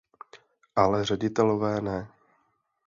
Ale ředitelové ne.